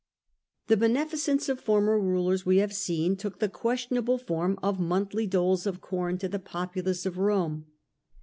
The beneficence of former rulers, we have seen, took the questionable form of monthly doles of corn to the populace of Rome.